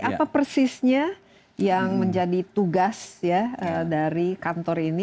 apa persisnya yang menjadi tugas ya dari kantor ini